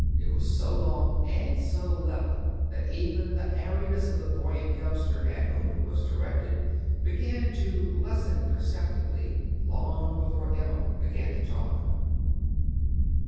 It was so long and so level that even the airiness of the buoyant youngster at whom it was directed began to lessen perceptibly, long before Emma began to talk.